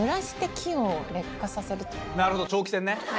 うんなるほど長期戦ね！